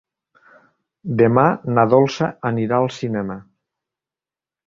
Demà na Dolça anirà al cinema.